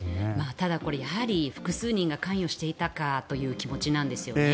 ただ、これやはり複数人が関与していたかという気持ちなんですよね。